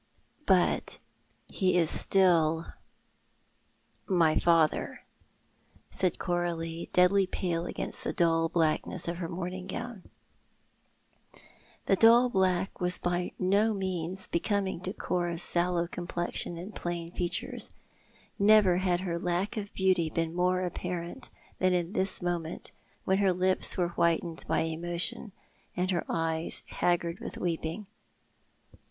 " But he is still — my fatlicr,"said Coralic, deadly pale against the dull blackness of her mourning gown. That dull black was by no means becoming to Cora's sallow complexion and plain features. Never had her lack of beauty been more apparent than in this moment, when her lips were whitened by emotion, and her eyes haggard with wcei)iug.